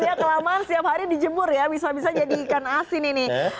iya kelamaan setiap hari dijemur ya bisa bisa jadi ikan asin ini